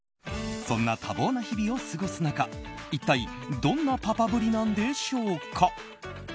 そんな多忙な人々を過ごす中一体どんなパパぶりなんでしょうか。